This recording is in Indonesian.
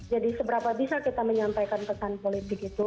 jadi seberapa bisa kita menyampaikan kesan politik itu